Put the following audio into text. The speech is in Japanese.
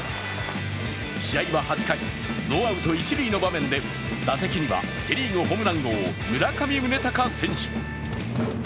試合は８回、ノーアウト一塁の場面で打席にはセ・リーグホームラン王、村上宗隆選手。